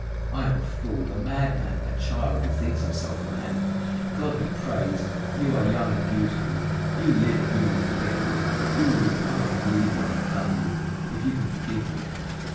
I am a fool, a madman, a child who thinks himself a man. God be praised! You are young and beautiful. You live and you will forget me. You will recover from the evil I have done you, if you can forgive me.